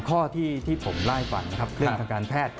๓ข้อที่ผมไล่ปั่นครับ